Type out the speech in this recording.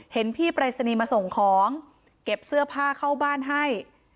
เห็นพี่ปรายศนีย์มาส่งของเก็บเสื้อผ้าเข้าบ้านให้